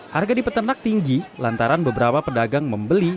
harga di peternak tinggi lantaran beberapa pedagang membeli